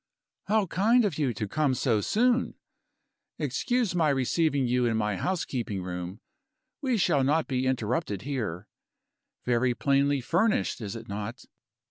"How kind of you to come so soon! Excuse my receiving you in my housekeeping room; we shall not be interrupted here. Very plainly furnished, is it not?